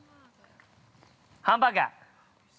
ハンバーガー。